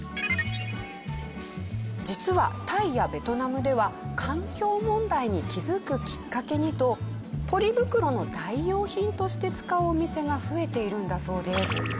実はタイやベトナムでは環境問題に気づくきっかけにとポリ袋の代用品として使うお店が増えているんだそうです。